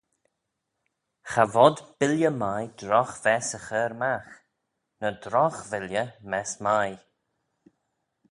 Cha vod billey mie drogh-vess y chur magh: ny drogh-villey mess mie.